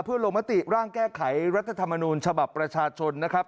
เพื่อลงมติร่างแก้ไขรัฐธรรมนูญฉบับประชาชนนะครับ